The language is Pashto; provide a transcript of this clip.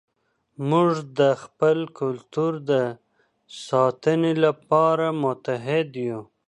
موږ د خپل کلتور د ساتنې لپاره متحد یو.